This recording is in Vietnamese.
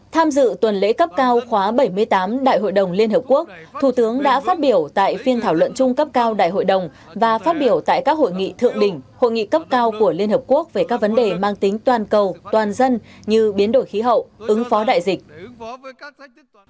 tham dự tuần lễ cấp cao khóa bảy mươi tám đại hội đồng liên hợp quốc thủ tướng đã phát biểu tại phiên thảo luận chung cấp cao đại hội đồng và phát biểu tại các hội nghị thượng đỉnh hội nghị cấp cao của liên hợp quốc về các vấn đề mang tính toàn cầu toàn dân như biến đổi khí hậu ứng phó đại dịch